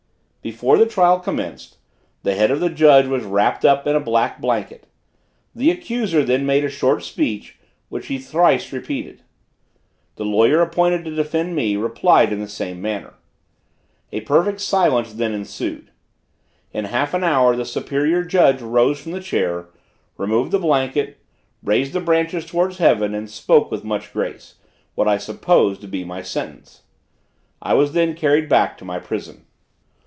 Before the trial commenced, the head of the judge was wrapped up in a black blanket. The accuser then made a short speech, which he thrice repeated. The lawyer appointed to defend me, replied in the same manner. A perfect silence then ensued. In half an hour the superior judge rose from the chair, removed the blanket, raised the branches towards Heaven, and spoke with much grace, what I supposed to be my sentence. I was then carried back to my prison.